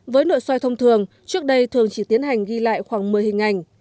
với nội soi thông thường trước đây thường chỉ tiến hành ghi lại khoảng một mươi hình ảnh